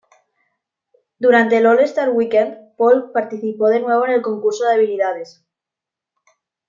Durante el All-Star Weekend, Paul participó de nuevo en el Concurso de Habilidades.